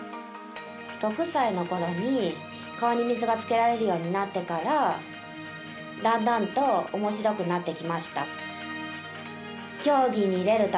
６歳のころに顔に水がつけられるようになってからだんだんとおもしろくなってきました。